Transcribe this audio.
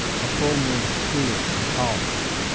a full moon, clear and calm.